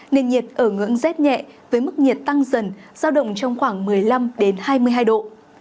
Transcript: nền nhiệt ở ngưỡng rét nhẹ với mức nhiệt tăng dần giao động trong khoảng một mươi năm hai mươi hai độ